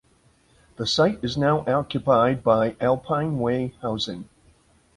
The site is now occupied by Alpine Way housing.